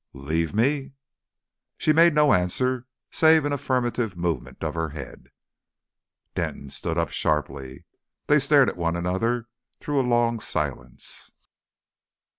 "Leave me!" She made no answer save an affirmative movement of the head. Denton stood up sharply. They stared at one another through a long silence.